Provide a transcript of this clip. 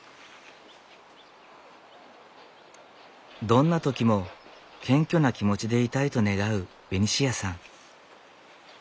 どんな時も謙虚な気持ちでいたいと願うベニシアさん。